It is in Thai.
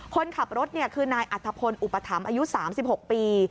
คนขับรถคือนายอัธพลอุปถัมภ์อายุ๓๖ปี